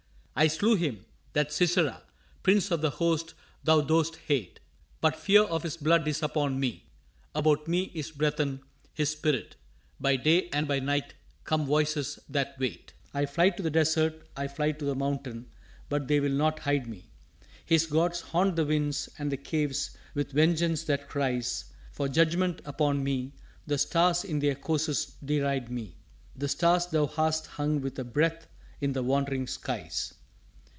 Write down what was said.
I slew him, that Sisera, prince of the host Thou dost hate. But fear of his blood is upon me, about me is breathen His spirit by day and by night come voices that wait. I fly to the desert, I fly to the mountain but they will not hide me. His gods haunt the winds and the caves with vengeance that cries For judgment upon me; the stars in their courses deride me The stars Thou hast hung with a breath in the wandering skies.